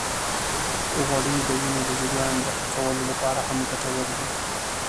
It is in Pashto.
غوړې د وینې د جريان د ښه کولو لپاره هم ګټورې دي.